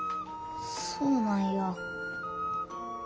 そうなんや。